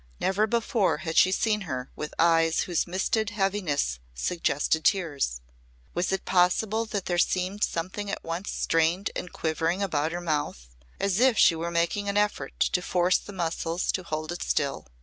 Never before had she seen her with eyes whose misted heaviness suggested tears. Was it possible that there seemed something at once strained and quivering about her mouth as if she were making an effort to force the muscles to hold it still.